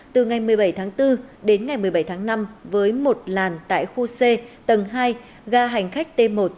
từ ngày một mươi bảy tháng bốn đến ngày một mươi bảy tháng năm với một làn tại khu c tầng hai ga hành khách t một